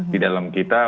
di dalam kita